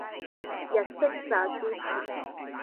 日式炸豬扒